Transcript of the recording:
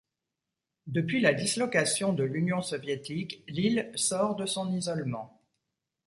Depuis la dislocation de l'Union soviétique, l'île sort de son isolement.